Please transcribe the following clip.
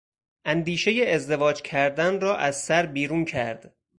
اندیشهی ازدواج کردن را از سر بیرون کرد.